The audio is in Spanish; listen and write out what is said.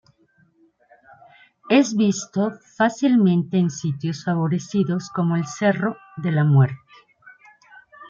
Es visto fácilmente en sitios favorecidos como el cerro de la Muerte.